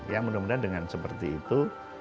ya mudah mudahan dengan seperti itu